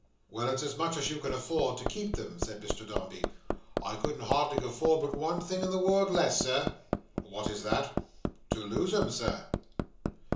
"Why, it's as much as you can afford to keep them!" said Mr Dombey. "I couldn't hardly afford but one thing in the world less, Sir." "What is that?" "To lose 'em, Sir."